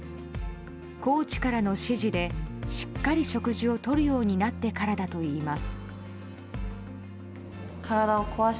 コーチからの指示でしっかり食事をとるようになってからだといいます。